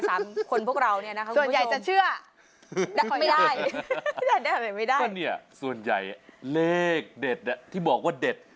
สามคนพวกเราเนี่ยนะคุณผู้ชม